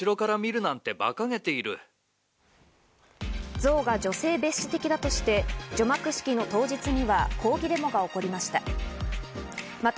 像が女性蔑視的だとして、除幕式の当日には抗議デモが起こりました。